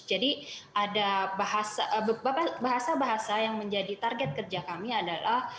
jadi ada bahasa bahasa yang menjadi target kerja kami adalah